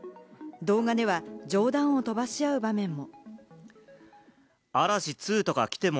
動画では、冗談を飛ばし合う場面も。